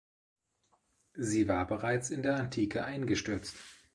Sie war bereits in der Antike eingestürzt.